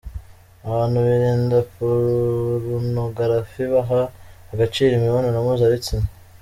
Abantu birinda porunogarafi baha agaciro imibonano mpuzabitsina.